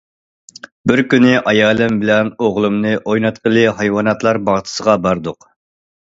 بىر كۈنى ئايالىم بىلەن ئوغلۇمنى ئويناتقىلى ھايۋاناتلار باغچىسىغا باردۇق.